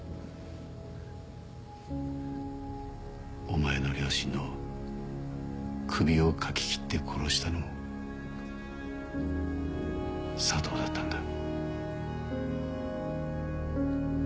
お前の両親の首をかき切って殺したのも佐藤だったんだ。